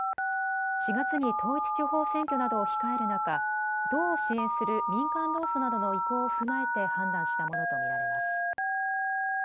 ４月に統一地方選挙などを控える中、党を支援する民間労組などの意向を踏まえて判断したものと見られます。